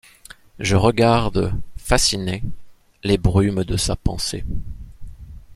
Je regarde, fascinée, les brumes de sa pensée.